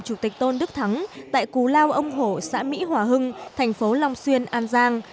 chủ tịch tôn đức thắng tại cù lao ông hổ xã mỹ hòa hưng thành phố long xuyên an giang